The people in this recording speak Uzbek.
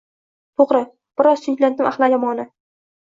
— To‘g‘ri… — bir oz tinchitdim ahli jamoani.